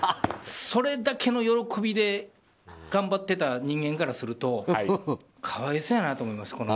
それだけの喜びで頑張っていた人間からすると可哀想やなと思います